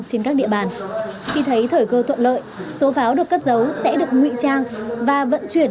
trên các địa bàn khi thấy thời cơ thuận lợi số pháo được cất giấu sẽ được nguy trang và vận chuyển